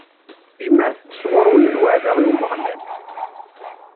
Jemɛet-d sɣur-wen lweɛda i Umeɣlal.